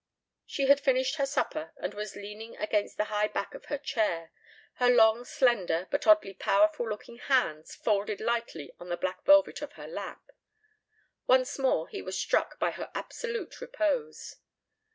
She had finished her supper and was leaning against the high back of her chair, her long slender but oddly powerful looking hands folded lightly on the black velvet of her lap. Once more he was struck by her absolute repose.